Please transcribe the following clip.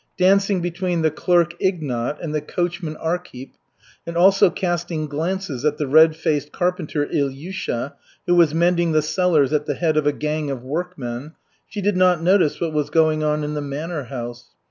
Dancing between the clerk Ignat and the coachman Arkhip, and also casting glances at the red faced carpenter Ilyusha, who was mending the cellars at the head of a gang of workmen, she did not notice what was going on in the manor house.